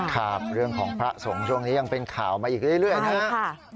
ครับเรื่องของพระสงฆ์ช่วงนี้ยังเป็นข่าวมาอีกเรื่อยนะครับ